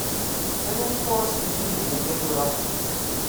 Anwi ifuras yettnuzen akka tura?